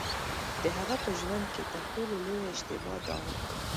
د هغه په ژوند کې تر ټولو لویه اشتباه دا وه.